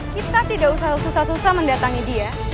kita tidak usah susah susah mendatangi dia